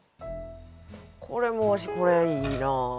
これもうわしこれいいな。